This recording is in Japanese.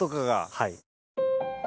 はい。